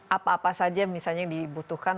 apa apa saja misalnya yang dibutuhkan